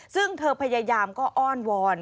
ซึ่งเธอพยายามก็อ้อนวอน